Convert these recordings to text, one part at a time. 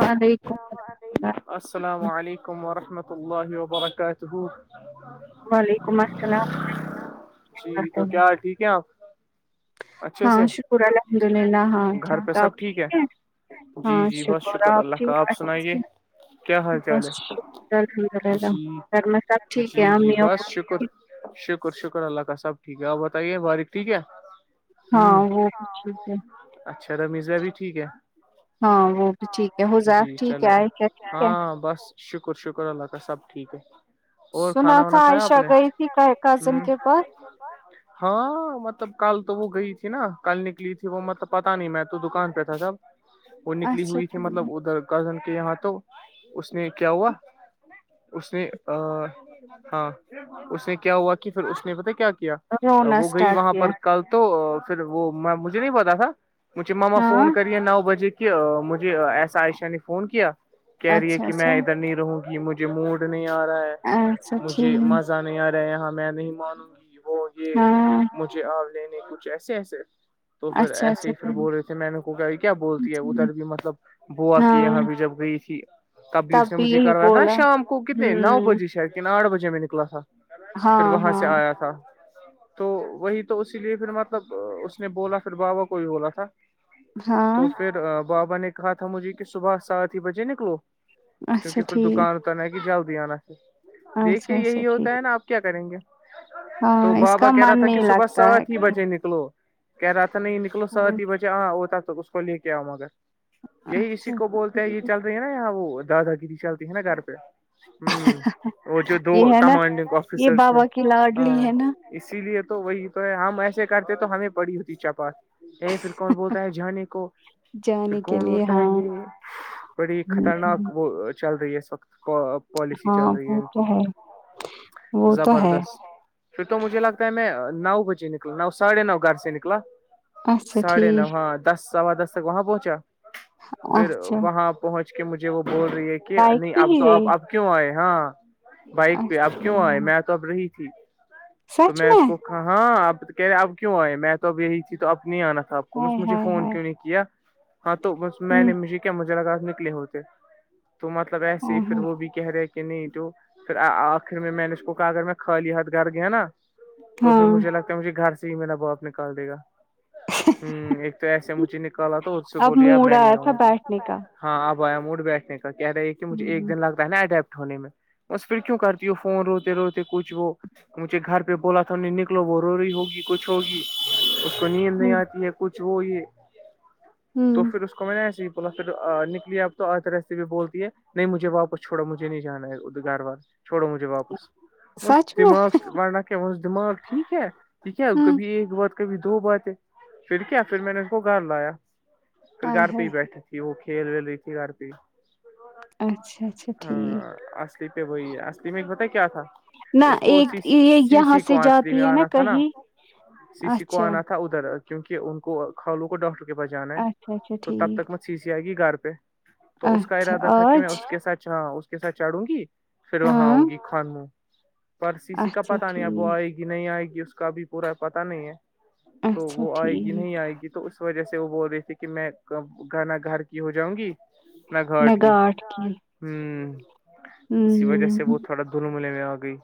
وعلیکم السلام علیکم السلام علیکم ورحمۃ ال اللہ وبرکات ہو وعلیکم السلام جی ورحمۃ تو اللہ کیا حال ٹھیک ہے آپ اچھے سے ہاں شکر الحمد للہ ہاں گھر پہ سب آپ ٹھیک ہے جی ہاں جی بت شکر اللہ کا ٹھیک آپ اچھے سنائیے سے کیا حال چال بس شکر الحمد ہے للہ جی گھر میں سب ٹھیک جی ہے جی امی بس ابو شکر ٹھیک شکر شکر اللہ کا سب ٹھیک ہے آپ بتائیے باریک ٹھیک ہے ہاں ہوں وہ ٹھیک ہے اچھا رمیزہ بھی ٹھیک ہے ہاں وہ بھی ٹھیک ہے ہوزاف جی ٹھیک چلو ہے آئے کیا ٹھیک ہے ہاں بس شکر شکر اللہ کا سب ٹھیک ہے اور سنا کھانا وانا تھا کھایا آپ عائشہ نے گئی تھی کا کازن ہ کے باس ہاں مطلب کل تو وہ گئی تھی نا کل نکلی تھی وہ مطلب پتا نہیں میں تو دکان پہ تھا سب وہ نکلی اچھا ہوئی تھی مطلب ٹھیک ادھر کزن کے یہاں تو اس نے کیا ہوا اس نے ہاں اس نے کیا ہوا کہ پھر اس نے پتا کیا کیا رونا وہ گئی اسٹارٹ وہاں کیا پر کل تو پھر وہ مجھے نہیں پتا تھا مجھے ماما ہاں فون کرے نو بجے کی مجھے مج ایسا عائشہ نے فون کیا کہہ رہی ہے اچھا کہ اچھا میں ادھر نہیں رہوں گی مجھے موڈ نہیں آ رہا ہے اچھا مجھے ٹھیک مزہ نہیں آ رہا یہاں میں نہیں مانوں گی وہ یہ ہاں مجھے آب لینے کچھ ایسے ایسے تو پھر اچھا ایسے اچھا ہی پھر بول رہے تھے میں نے کو کہ کیا بولتی ہے ٹھیک ادھر بھی مطلب بوا کے ہاں یہاں بھی جب گئی تھی تب بھی اس نے مجھے کروایا تھا شام کو کتنے نو ہوں بجے شاید لیکن آٹھ بجے میں نکلا تھا ہاں پھر وہاں سے ہاں آیا تھا تو وہی تو اسی لیے پھر مطلب اس نے بولا پھر بابا کو بھی بولا تھا ہاں تو پھر بابا نے کہا تھا مجھے کہ صبح سات ہی بجے نکلو اچھا کیونکہ پھر ٹھیک دکان اتنا ہے کہ جلدی آنا پھر دیکھیے اچھا اچھا یہی ٹھیک ہوتا ہے نا آپ کیا کریں گے تو ہاں اس بابا کا کہہ رہا من تھا کہ نہیں صبح لگتا ہے سات ہی کہیں بجے نکلو کہہ رہا تھا نہیں نکلو ہ سات ہی بجے ہاں ہوتا تو اس کو لے کے آؤ مگر یہی اسی اچھا کو بولتے اچھا ہیں یہ ٹھیک چل رہی ہے نا یہاں وہ دادا کی جی چلتی ہے نا گھر پہ ہ اور جو دو یہ ہے نا کمانڈنگ یہ آفیسرس ہیں بابا کی لاڈلی ہاں ہے نا اسی لیے تو وہی تو ہے ہم ایسے کرتے تو ہمیں پڑی ہوتی چپات یہ پھر کون بولتا ہے جانی کو پھر جانے کے کون لیے ہوتا ہاں ہے یہ بڑی خطرناک وہ چل رہی ہے اس وقت پالیسی ہاں چل رہی ہے وہ ان تو کی وہ تو ہے زبردست پھر تو مجھے لگتا ہے میں نو بجے نکلا نو ساڑھے نو گھر سے نکلا اچھا ساڑھے نو ٹھیک ہاں دس سوا دس تک وہاں پہنچا پھر اچھا وہاں پہنچ کے مجھے وہ بول رہی ہے کہ بائک نہیں پہ اب ہی تو گئی آپ اب کیوں آئے ہاں بائک پہ اب اچھا کیوں آئے میں تو اب رہی تھی تو میں اس کو ہاں اب کہہ رہے اب کیوں آئے میں تو اب یہی تھی تو اب نہیں آنا تھا آپ کو ہائے بس مجھے ہائے فون ہائے کیوں نہیں کیا ہاں تو بس میں نے مجھے کیا مجھ لگاات نکلے ہوتے تو مطلب ایسے ہی پھر ہ وہ بھی کہہ رے کہ نہیں ت پھر آخر میں م نےش کوک اگر میں خالی ہاتھ گھر گیا نا تو پھر ہاں مجھے لگتا ہے مجھے گھر سے ہی میرا باپ نکال دے گا ہوں ایک تو ایسے مجھے نکالا تو سے اب بولی موڈ میں آیا نہیں آؤں تھا گی بیٹھنے کا ہاں اب آیا موڈ بیٹھنے کا کہہ رہے ہے کہ مجھے ہوں ایک دن لگتا ہے نا اڈیپٹ ہونے میں بس پھر کیوں کرتی ہو فون روتے روتے کچھ وہ مجھے گھر پہ بولا تھا نہیں نکلو وہ روی ہوگی کچھ کچھ ہوگی اس کو نیند نہیں ہوں آتی ہے کچھ وہ یہ تو ہوں پھر اس کو میں نے ایسے ہی بولا پھر نکلی اب تو آ طرح سے بھی بولتی ہے نہیں مجھے واپس چھوڑو مجھے نہیں جانا ہے اد گاروار چھوڑو مجھے واپس م سچ میں دماغ بڑن کیا وہاں سے دماغ ٹھیک ہے کہ کیا ہوں کبھی ایک بات کبھی دو بات ہے پھر کیا پھر میں نے اس کو گھر لایا پھر ہائے گھر پہ ہائے ہی بیٹھی تھی وہ کھیل ول رہی تھی گھر پہ اچھا اچھا ٹھیک ہاں اصلی پہ وہی ہے اصلی میں ایک بت کیا تھا نہ اس کو ایک یہ سی یہاں سے جاتی ہے نا کہیں سیسیی کو اچھا آنا تھا ادھر کیونکہ ان کو کالو کو ڈاکٹر کے پاس جانا ہے اچھا اچھا تو تب تک ٹھیک مھ چیسی آئے گی گار پہ تو اس کا اچھا ارادہ تھا کہ میں آج اس کے ساتھ اس کے سھ چاڑوں گی پھر وہاں ہاں آؤں گی خان من پر سیسیی کا اچھا پتا نہیں اب ٹھیک آئے نہیں آئے گی اس کاب پورا پتا نہیں ہے تو اچھا وہ آئے گی ٹھیک نہیں آئے گی تو اس وجہ سے وہ بول رہی تھی کہ میں گانا گھر کی ہو جاؤں گی میں نہ گھاٹ کی گاٹھ کی ہ اسی وجہ ہوں سے وہ تھوڑا دمل میں آ گئی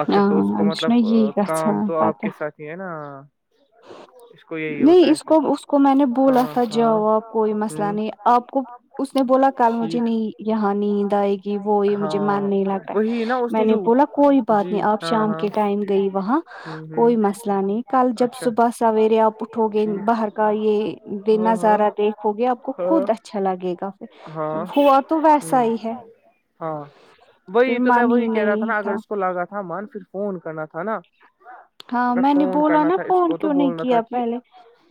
آخر ہاں تو اس کو أمِس مطلب چھُنا یی کام گژھان تو آپ پتہ کے ساتھ ہے نا اس کو یہی ہوتا نہیں ہے اس کو سر اس کو میں نے بولا تھا جواب کوئی مسئلہ ہ نہیں آپ کو اس نے بولا کل مجھے ٹھیک نہیں یہاں نیند آئے گی وہ یہ مجھے مان ہاں نہیں لگ رہا وہی نا ہے اس میں نے جو بولا کوئی بات جی نہیں آپ ہاں شام ہاں کے ٹائم گئی وہاں ہوں ہوں کوئی مسئلہ نہیں کل جب اچھا صبح سویرے آ پٹھو گن ٹھیک بہر کا یہ ہاں ہاں نظارہ دیکھو گے آپ کو ہاں خود اچھا لگے گا پھر ہاں ہو تو ویسا ہ ہی ہے ہاں پھر وہی تو میں من وہی ہی کہہ رہا تھا نہیں نا اگر اس کو لگا تھا مان پھر فون کرنا تھا نا ہاں اگر میں نے فون بولا کرنا نا تھا اس فون کو تو کیوں نہیں بولنا تھا کیا کہ پہلے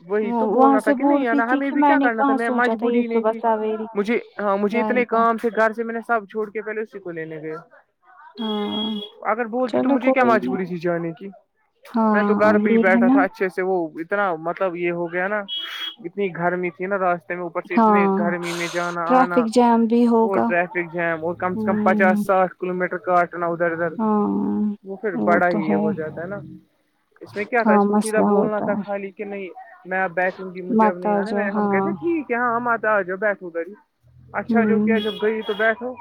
وہی وہ تو وہاں بولنا تھا سے کہ نہیں آ بولتی نا تھی ہمیں کہ بھی میں کیا نے کرنا تھا کہاں میں سوچا تھا یہ مجبوری نہیں صبح تھی سویرے مجھے ہاں مجھے کیا آئے اتنے گا کام سے گھر سے میں نے سب چھوڑ کے پہلے اسی کو لینے گیا ہاں اگر بولتی تو چلو مجھے کیا کوئی نہیں مجبوری تھی جانے کی میں تو ہاں گھر پہ ہی یہ ہے بیٹھا نا تھا اچھے سے وہ اتنا مطلب یہ ہو گیا نا اتنی گرمی تھی نا راس تم اوپر سے اتنے ہاں گرمی میں جانا آنا ٹریفک جام بھی اور ہوگا ٹریفک جیم اور کم سے کم ہوں پچاس ساٹھ کلو میٹر کاٹنا ادھر ادھر وہ پھر بڑا ہی یہ ہو جاتا ہے نا اس میں کیا تھا ہاں اس کو سیدھا مسئلہ بولنا ہوتا تھا ہے خالی کہ نہیں میں بیٹھوں گی مجھے اب متا آنے میں جو نے ہم ہاں کہتے ٹھیک ہے ہاں م آا آ جؤ بیٹھوں گا جی اچھا جو کیا ہوں جب گئی تو بیٹھو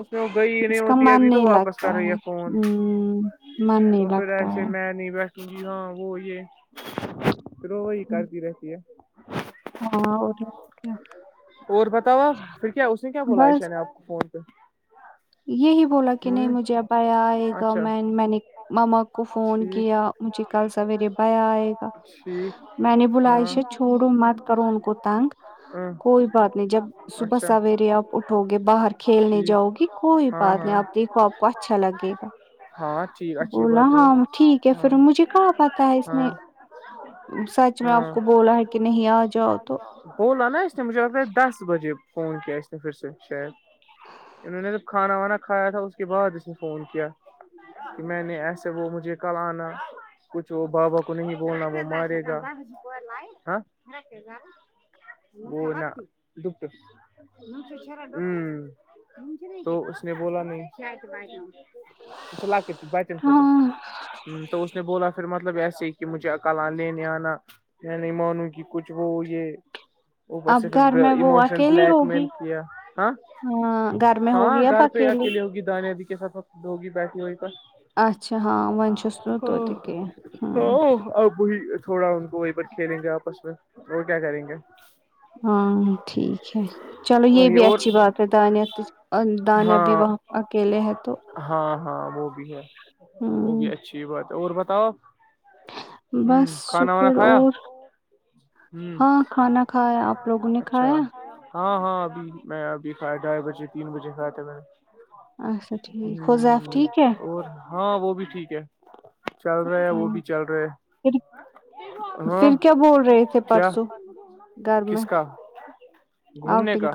اس میں وہ گئی ہی نہیں اس کا ہوتی من ابھی تو نہیں واپس لگتا کر رہی ہے فون ہوں من نہیں تو پھر لگتا ہے ایسے میں نہیں بیٹھ کیی ہاں وہ یہھرو وہی ہوں، کرتی رہتی ہے ہاں اور کیا؟ اور بتا ہوا پھر کیا اس نے کیا بولا ایشا بس نے آپ کو ہ تو یہی بولا کہ نہیں مجھے اب ب آئے گا اچھا م میں نے ماما کو فون ٹھیک کیا مجھے کل سویر بیا آئے گا ھ میں نے بلاائش چھوڑو مت کرو ان کو تنگ ہاں کوئی بات نہیں جب صبح اچھا سویر آپ اٹھو گے باہر کھیلنے جاؤ گی ٹھیک کوئی ہاں بات نہیں ہاں آپ دیکھو آپ کو اچھا لگے گا ہاں ٹھیک اچھی بولا بات جو ہاں ٹھیک ہے ہاں پھر مجھے کہاں پتا ہے اس میں ہاں سچ میں آپ ہاں کو بولا ہے کہ نہیں آ جاؤ تو بولا نا اس نے مجھے آگتا ہے دس بجے فون کیا اس نے پھر سے شاید انہوں نے جب کھانا وانا کھایا تھا اس کے بعد اس نے فون کیا کہ میں نے ایسا وہ مجھے کل آنا کچھ وہ بابا کو نہیں بولنا وہ مارے گا گا وہ نہ دکھتے ہ تو اس نے بولا نہیں اچھ لکٹ بچن خطر ہاں ہ تو اس نے بولا پھر مطلب ایسے کہ مجھے اکال لینے آنا میں نہیں مانوں کہ کچھ وہ یہ اوپر اب سے گھر میں وہ پھرموشنل اکیلی بلیک میل ہوگی کیا ہاں ہاں گھر میں ہاں ہوگی اب گھر تو اکیلے اکیے ہوگی دان آدی کے سات وقتوگی بیٹھی ہوگی پ اچھا ہاں ون چھس ہ تو کے ہاں ہ اب وہی تھوڑا ان کو وہیں پرار کھیلیں گے آپس میں وہ کیا کریں گے ہاں ٹھیک ہے چلو یہ وہی بھی اور اچھی بات ہے دانیہ دانیہ بھی ہاں وہاں اکیلے ہے تو ہاں ہاں وہ بھی ہے وہ ہاں بھی اچھی بات ہے اور بتاؤ ہوں بس کھانا وانا شکر کھایا اور ہوں ہاں کھانا کھایا آپ لوگوں نے اچھا کھایا ہاں ہاں ابھی میں ابھی کھا ڈھائی بجے تین بجے کھات تھا میں اچھا ٹھیک حزیف نے ٹھیک ہے اور ہاں وہ بھی ٹھیک ہے چل رہا ہے وہ بھی چل رہا پھر پھر کیا ہے بول رہے تھے کیا پرسوں گھر میں کس کا گھومنے کا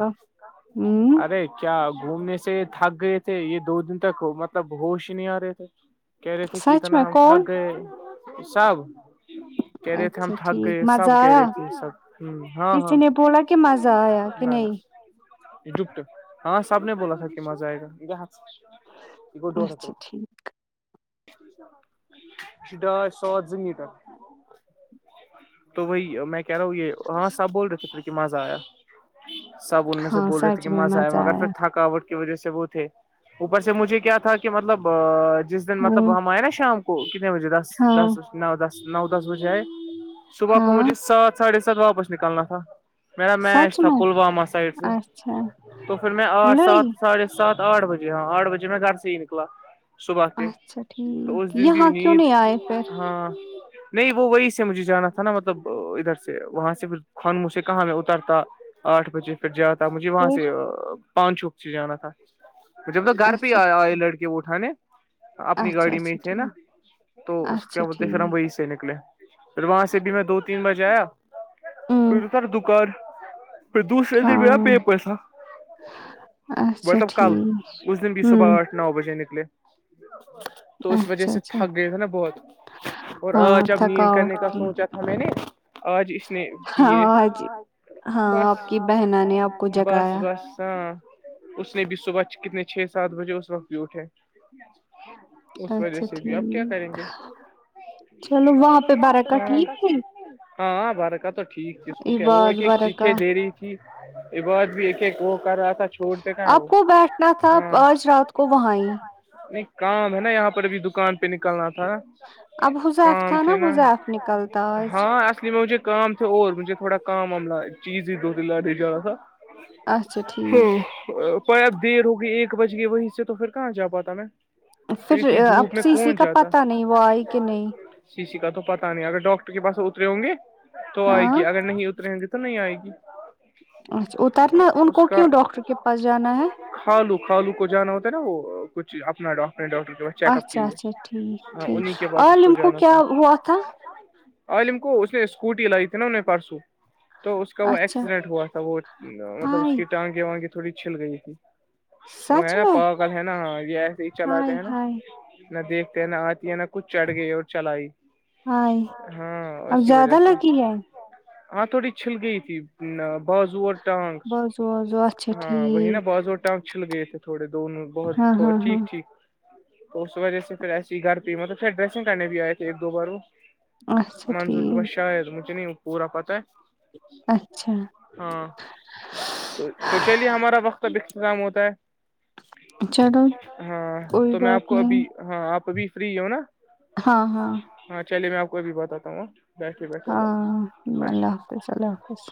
ہوں ارے کیا گھومنے سے تھک گئے تھے یہ دو دن تک مطلب ہوش ہی نہیں آ رہے تھے کہہ رہے تھے کہ سچ میں اتنا ہم کون تھک گئے سب کہہ رہے تھے ہم اچھا تھک ٹھیک گئے مزہ سب کہہ آیا رہے تھے سب ہ ہاں کسی ہاں نے بولا کہ مزہ آیا کہ نہ نہ نہیں پٹ ہاں سب نے بولا تھا کہ مزہ آئے گا یہ اچھا ٹھیک چ ڈا سات زین کار تو وہی میں کہہ رہا ہوں یہ ہاں سب بول رہے تھے پھر کہ مزا آیا سب ان میں سے ہاں بول رہے تھے سچ کہ میں مزہ آئے مگر پھر آیا تھکاوٹ وجہ سے وہ تھے اوپر سے مجھے کیا تھا کہ مطلب جس دن مطلب ہاں آئے نا شام کو کتنے بجے دس ہاں دس ن دس نو دس بجے آئے صبح کو ہاں مجھے سات ساڑھے سات واپس نکالنا تھا میرا میچ سچ تھا میں پلوامہ سائڈ سے اچھا تو پھر میں آٹھ سات لئی ساڑھے سات آٹھ بجے ہاں آٹھ بجے میں گھر سے ہی نکلا صبح کے تو اس ٹیک دن بھی یہاں کیوں نیند نہیں آئے پھر ہاں نہیں وہ وہی سے مجھے جانا تھا نا مطلب ادھر سے وہاں سے پھر خان منھ سے کہاں میں اترتا آٹھ بجے پھر جایا تھا مجھے وہاں پھر سے پان چوک سے جانا تھا جب توک گھر پہ اچھا آئی لڑکی وہ اٹھانے اپنی اچھا گاڑی میں اچھا تھے نا ٹھیک تو اس کیا اچھا بولتے شرم ٹھیک بھائی سے سے نکلے پھر وہاں سے بھی میں دو تین بجے آیا ہوں پھرتارا دکار پھر دوسرے دن بھی آ ہاں پہ پیسہ اچھا ملب کل ٹھیک اس دن بھی صبح ہوں آٹھ نو بجے نکلے تو اس وجہ اچھا سے اچھا تھک گئے تھ نا بہت اور ہاں آجب نیند کرنے تھکاوٹ کا تھی سوچا میں نے آج اس نے ہاں کیے آج ہاں بس آپ کی بہنا نے آپ کو بس جگایا بس ہاں اس نے بھی صبح کتنے چھ سات بجے اس وقت بھی اٹھے اس وجہ اچھا سے بھی اب کیا ٹھیک کریں گے چلو وہاں پہ برکا ٹھیک تھی ہاں وارکا تو ٹھیک جس کو کیا وہ عباد ایک ایک چیھے برکا دے رہی تھی یہ بت بھی ایک ایک وہ کر رہا تھا چھوڑتے کہاں ہے وہ آپ کو بیٹھنا تھا ہاں آج رات کو وہاں ہی نہیں کام ہے نا یہاں پر ابھی دکان پہ نکلنا تھا اب حذیف کام تھا تھ نا حذیف نکلتا آج ہاں اصلی مجود کام تھے اور مجھے تھوڑا کام آاملہ چیز ہی دو ت لاے جا رہا تھا اچھا ٹھیک ہوں اب دیر ہو گگئی ایک بج گئی وہیں سے تو پھر کہاں جا پاتا میں اتنی پھر اب دھوپ میں سی سی کون کا جاتا پتا نہیں وہ آئی کہ نہیں شیشی کا تو پتا نہیں اگر ڈاکٹر کے پاس اترے ہوں گے تو آئے ہاں گی اگر نہیں اتر ہوں گے تو تو نہیں آئے گی اچھا اترنا ان کو کیوں ڈاکٹر کے پاس جانا ہے کالو کالو کو جانا ہوتا ہے نا وہ کچھ اپنا اپنے ڈاکٹر کے پاس چیک اپ کے اچھا اچھا لیے ٹھیک ہاں ٹھیک انہیں کے پاس اس عاللم کو جانا کیا تھا وہ تھاا عالم کو اس نے اسکوٹی لائی تھی نا انہ نے پرارسو تو اس کا وہ اچھا ایکسیڈنٹ ہوا تھا وہ مطلب اس ہائے کی ٹانگیں وانگ تھوڑی چھل گئی تھی وہ سچ ہے نا میں پل ہے نا ہاں یہ ایسے ہی ہائے چلاتے ہے نا ہائے نہ دیکھتے ہیں نہ آتی ہے نہ کچھ چڑھ گئی اور چلائی ہ ہاں اب اسی وجہ زیادہ سے لگی ہے ہاں تھوڑی چھل گئی تھی بازو اور ٹانگ بازو وازو اچھا ہاں وہی نا ٹھیک باز اور ٹانگ چھل گئے تھے تھوڑے دونوں ہاں بہت ہاں ہاں ٹھیک تو اس وجہ سے پھر ایسی گھر پ مطلب پھر ڈریسنگ کرنے بھی آئے تھے ایک دو بار وہ اچھا منصور کے پاس ٹھیک شار مجھے نہیں پورا پت ہے اچھا ہاں تو تو چلیے ہمارا وقت اب اختظام ہوتا ہے چلو ہاں کوئی تو میں آپ بات کو نہیں ابھی ہاں آپ ابھی فری ہو نا ہاں ہاں ہاں چلیے میں آپ کوبھی بتات ہوں ہوں ہاں اللہ حافظ اللہ حافظ